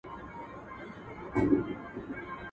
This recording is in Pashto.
اوبه په ډانگ نه بېلېږي.